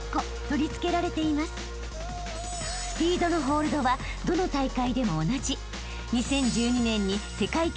［スピードのホールドはどの大会でも同じ］